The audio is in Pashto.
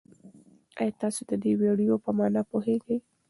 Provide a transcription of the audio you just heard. ایا تاسي د دې ویډیو په مانا پوهېږئ؟